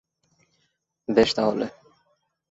বেশ তাহলে।